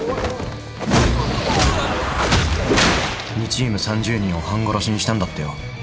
２チーム３０人を半殺しにしたんだってよ。